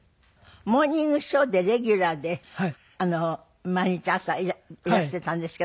『モーニングショー』でレギュラーで毎日朝いらしていたんですけど。